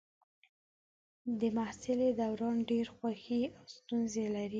د محصلۍ دوران ډېرې خوښۍ او ستونزې لري.